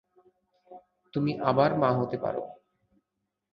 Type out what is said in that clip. তুমি আবার মা হতে পারো।